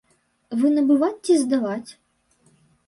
Вы набываць ці здаваць?